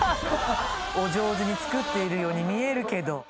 お上手に作っているように見えるけど。